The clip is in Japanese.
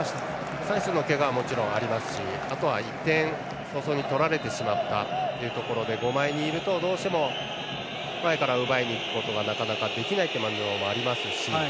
サイスのけがはありますしあとは１点早々に取られてしまったというところで５枚にいると、どうしても前から奪いにいくことがなかなかできないということもありますし。